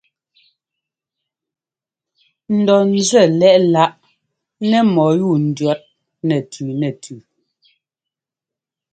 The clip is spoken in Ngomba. N dɔ ńzɛ́ lɛ́ꞌ láꞌ nɛ mɔ́yúu ndʉ̈ɔt nɛtʉ nɛtʉ.